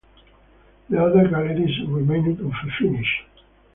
The other galleries remained unfinished.